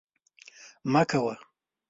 مه کره